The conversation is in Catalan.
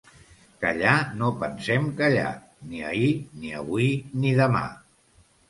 Callar no pensem callar: ni ahir, ni avui, ni demà.